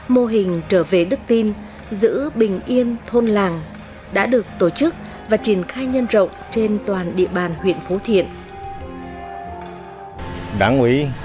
mô hình trở về đức tin giữ bình yên thôn làng đã được tổ chức và triển khai nhân rộng trên toàn địa bàn huyện phú thiện